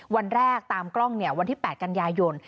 วันแรกตามกล้องวันที่๘กันยายน